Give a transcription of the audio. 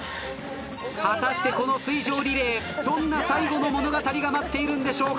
果たしてこの水上リレーどんな最後の物語が待っているんでしょうか。